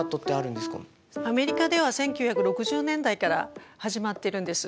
アメリカでは１９６０年代から始まってるんです。